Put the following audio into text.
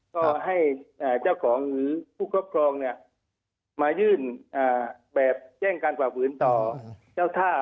ก็ให้เจ้าของหรือผู้เค้าพรองมายื่นแจ้งการกระบวนต่อเจ้าท่า